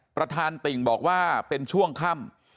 ประธานติ่งบอกว่าเป็นช่วงค่ำ